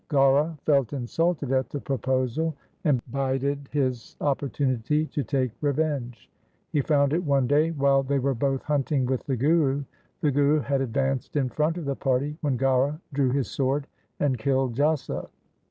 Gaura felt insulted at the proposal, and bided his oppor tunity to take revenge. He found it one day while they were both hunting with the Guru. The Guru had advanced in front of the party when Gaura drew his sword and killed Jassa.